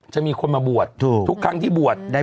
จะมีคนมาบวชทุกครั้งที่บวช